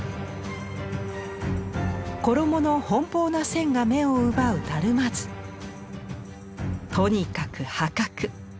衣の奔放な線が目を奪うとにかく破格。